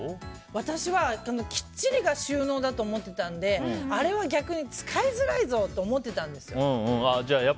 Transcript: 私は、きっちりが収納だと思ってたのであれは逆に使いづらいぞと思ってたんですよ。